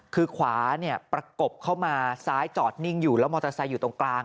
คือขวาเนี่ยประกบเข้ามาซ้ายจอดนิ่งอยู่แล้วมอเตอร์ไซค์อยู่ตรงกลาง